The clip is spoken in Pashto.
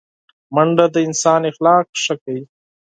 منډه د انسان اخلاق ښه کوي